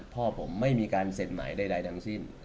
พ่อผมไม่มีการเซ็นหมายใดทั้งสิ้น